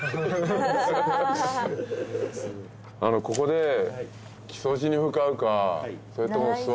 ここで。